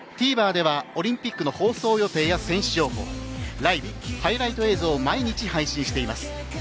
ＴＶｅｒではオリンピックの放送予定や選手情報、ライブ、ハイライト映像を毎日配信しています。